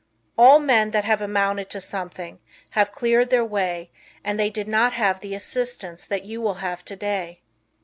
All men that have amounted to anything have cleared their way and they did not have the assistance that you will have today.